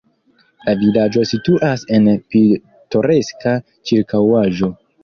La vilaĝo situas en pitoreska ĉirkaŭaĵo.